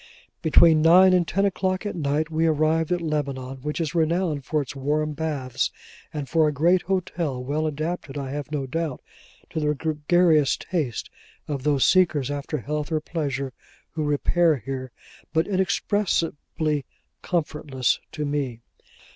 Between nine and ten o'clock at night, we arrived at Lebanon which is renowned for its warm baths, and for a great hotel, well adapted, I have no doubt, to the gregarious taste of those seekers after health or pleasure who repair here, but inexpressibly comfortless to me.